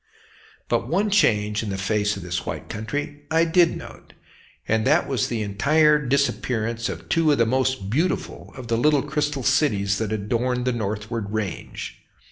But one change in the face of this white country I did note, and that was the entire disappearance of two of the most beautiful of the little crystal cities that adorned the northward range.